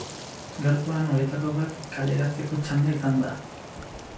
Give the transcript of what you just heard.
Gaurkoan, horietako bat kaleratzeko txanda izan da.